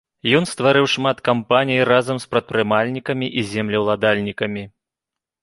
Ён стварыў шмат кампаній разам з прадпрымальнікамі і землеўладальнікамі.